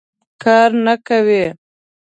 کار نه کوي.